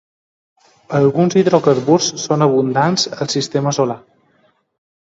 Alguns hidrocarburs són abundants al sistema solar.